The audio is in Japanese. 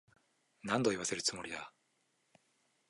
何度言わせるつもりだ。